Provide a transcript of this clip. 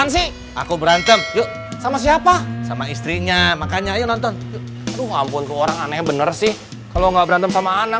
sampai jumpa di video selanjutnya